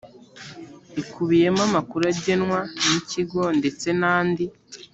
ikubiyemo amakuru agenwa n ikigo ndetse n andi